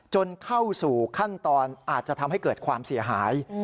เข้าสู่ขั้นตอนอาจจะทำให้เกิดความเสียหาย